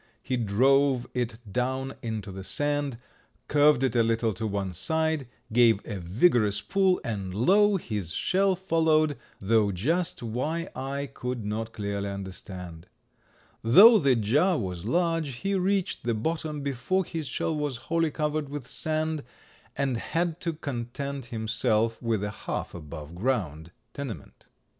He drove it down into the sand, curved it a little to one side, gave a vigorous pull, and lo! his shell followed, though just why I could not clearly understand. Though the jar was large he reached the bottom before his shell was wholly covered with sand, and had to content himself with a half above ground tenement."